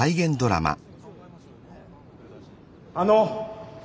あの。